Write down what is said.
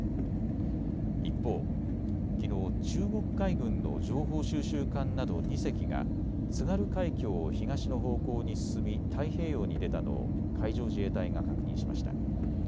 一方、きのう中国海軍の情報収集艦など２隻が津軽海峡を東の方向に進み太平洋に出たのを海上自衛隊が確認しました。